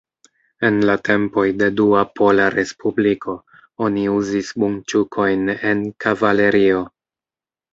En la tempoj de Dua Pola Respubliko oni uzis bunĉukojn en kavalerio.